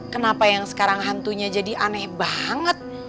kenapa yang sekarang hantunya jadi aneh banget